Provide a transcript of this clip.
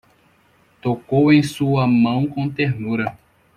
Tocou em sua mão com ternura